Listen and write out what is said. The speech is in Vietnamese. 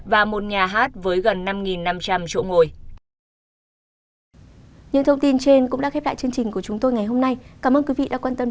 và một nhà hát với gần năm năm trăm linh chỗ ngồi